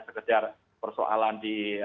sekedar persoalan di